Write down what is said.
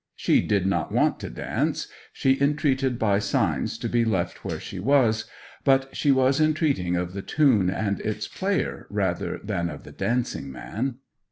She did not want to dance; she entreated by signs to be left where she was, but she was entreating of the tune and its player rather than of the dancing man.